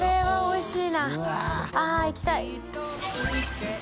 繊あっ行きたい。